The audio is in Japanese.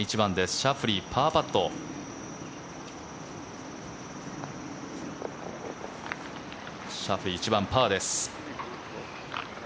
シャフリー１番、パーです。